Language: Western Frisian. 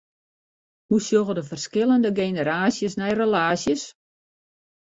Hoe sjogge de ferskillende generaasjes nei relaasjes?